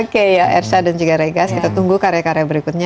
oke ya ersha dan juga regas kita tunggu karya karya berikutnya